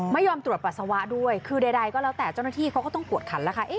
ไม่ยอมตรวจปัสสาวะด้วยคือใดก็แล้วแต่เจ้าหน้าที่เขาก็ต้องกวดขันแล้วค่ะ